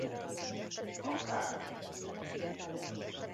A kr.